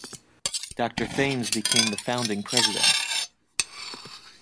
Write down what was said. Doctor Thames became the founding president.